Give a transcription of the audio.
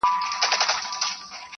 په ځنګله کي د ځنګله قانون چلېږي-